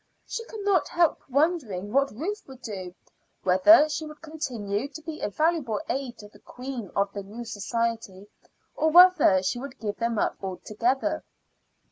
She could not help wondering what Ruth would do whether she would continue to be a valuable aid to the queen of the new society, or whether she would give them up altogether.